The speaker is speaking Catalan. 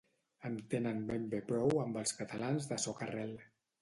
En tenen ben bé prou amb els catalans de soca-rel.